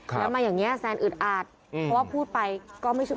แล้วมาอย่างนี้แซนอึดอาดเพราะว่าพูดไปก็ไม่ช่วย